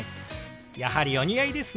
やはりお似合いですね。